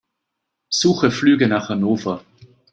Suche Flüge nach Hannover.